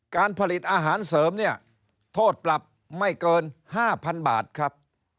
การผลิตอาหารเสริมเนี่ยโทษปรับไม่เกิน๕๐๐๐บาทครับ